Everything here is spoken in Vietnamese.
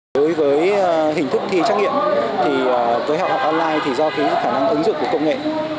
đối với hình thức thi trắc nghiệm thì với học học online thì do thiếu khả năng ứng dụng của công nghệ